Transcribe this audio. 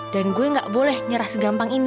dan gue ga boleh nyerah segampang ini